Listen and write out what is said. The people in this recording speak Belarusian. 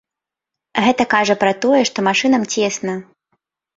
Гэта кажа пра тое, што машынам цесна.